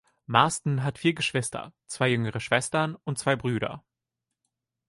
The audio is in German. Marsden hat vier Geschwister: zwei jüngere Schwestern und zwei Brüder.